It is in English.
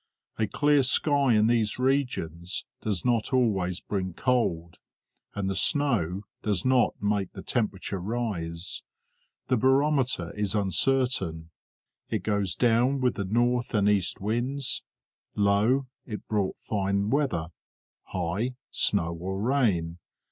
A clear sky in these regions does not always bring cold, and the snow does not make the temperature rise; the barometer is uncertain; it goes down with the north and east winds; low, it brought fine weather; high, snow or rain.